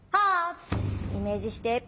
８！イメージして。